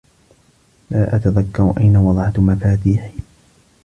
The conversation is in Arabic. لا أتذكّر أين وضعت مفاتيحي.